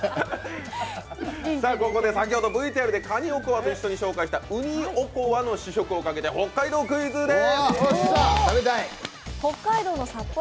ここで先ほどＶＴＲでかにと一緒に紹介したうにおこわの試食をかけて北海道クイズです。